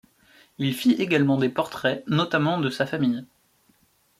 Il fit également des portraits, notamment de sa famille.